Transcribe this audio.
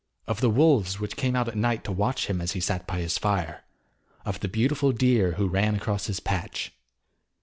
Of the wolves which came out at night to watch him as he sat by his fire; of the beautiful deer who ran across his patch.